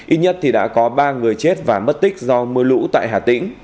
ít nhất thì đã có ba người chết và mất tích do mưa lũ tại hà tĩnh